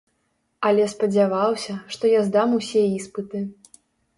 Але спадзяваўся, што я здам усе іспыты.